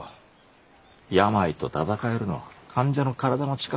病と闘えるのは患者の体の力だけだ。